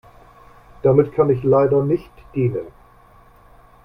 Damit kann ich leider nicht dienen.